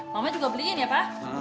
mamanya juga beliin ya pak